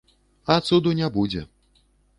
А цуду не будзе.